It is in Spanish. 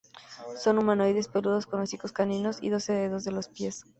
Son humanoides peludos con hocicos caninos y doce dedos de los pies.